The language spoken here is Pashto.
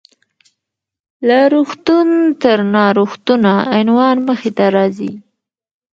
له روغتون تر ناروغتونه: عنوان مخې ته راځي .